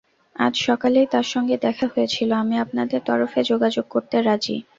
আজ সকালেই তার সঙ্গে দেখা হয়েছিল, আমি আপনাদের তরফে যোগাযোগ করতে রাজি।